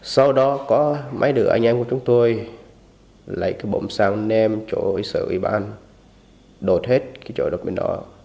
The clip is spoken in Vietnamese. sau đó có mấy đứa anh em của chúng tôi lấy cái bộn xang nêm chỗ sở ủy ban đột hết cái chỗ đập bên đó